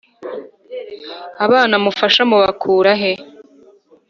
Abana mufasha mubakura he?